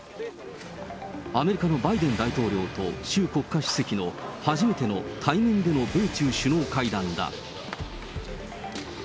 アメリカのバイデン大統領と習国家主席の初めての対面での米中首脳会談だ。